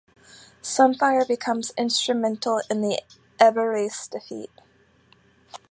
Sunfire becomes instrumental in the Everwraith's defeat.